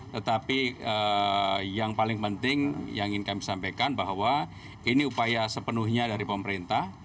tetapi yang paling penting yang ingin kami sampaikan bahwa ini upaya sepenuhnya dari pemerintah